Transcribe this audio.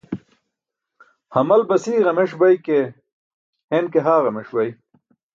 Hamal basiye ġameṣ bay ke, hen ki haa ġameṣ bay.